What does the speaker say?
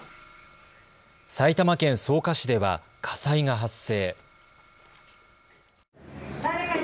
埼玉県草加市では火災が発生。